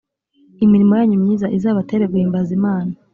imirimo yanyu myiza izabatere guhimbaza imana